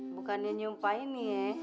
bukannya nyumpah ini ya